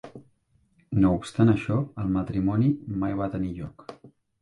No obstant això, el matrimoni mai va tenir lloc.